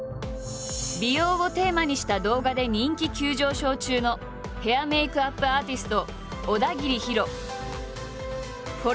美容をテーマにした動画で人気急上昇中のヘア＆メイクアップアーティスト小田切ヒロ。